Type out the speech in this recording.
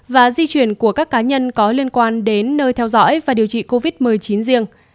và di chuyển của các cá nhân có liên quan đến nơi theo dõi và điều trị covid một mươi chín riêng